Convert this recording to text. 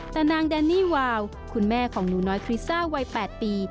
แต่นางแดนนี่วาวคุณแม่ของหนูน้อยคริสซ่าวัย๘ปี